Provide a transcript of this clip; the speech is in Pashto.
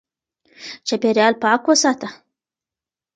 چاپېريال پاک وساته